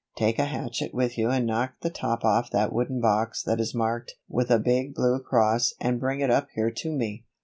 Take a hatchet with you and knock the top off that wooden box that is marked with a big blue cross and bring it up here to me."